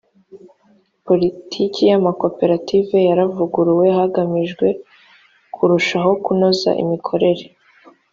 politiki y amakoperative yaravuguruwe hagamijwe kurushaho kunoza imikorere